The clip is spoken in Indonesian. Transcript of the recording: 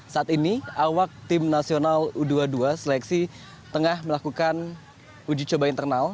saat ini awak tim nasional u dua puluh dua seleksi tengah melakukan uji coba internal